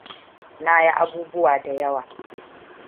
Na yi abubuwa da yawa.